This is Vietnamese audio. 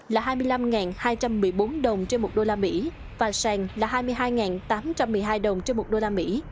là hai mươi năm hai trăm một mươi bốn đồng trên một đô la mỹ và sàng là hai mươi hai tám trăm một mươi hai đồng trên một đô la mỹ